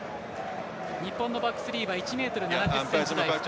日本のバックスリーは１ｍ７０ｃｍ台、２人。